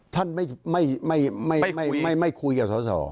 ท่านไม่คุยกับสอสอ